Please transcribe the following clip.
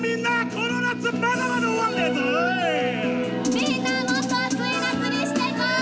みんなもっと熱い夏にしていこう！